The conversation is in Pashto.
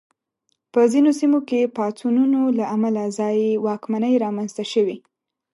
په ځینو سیمو کې پاڅونونو له امله ځايي واکمنۍ رامنځته شوې.